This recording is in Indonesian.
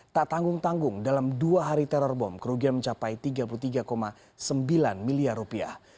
tak tanggung tanggung dalam dua hari teror bom kerugian mencapai tiga puluh tiga sembilan miliar rupiah